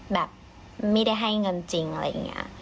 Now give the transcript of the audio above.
แบบไม่ได้ให้เงินจริงอะไรอย่างนี้